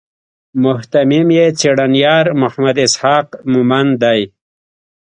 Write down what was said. مهتمم یې څېړنیار محمد اسحاق مومند دی.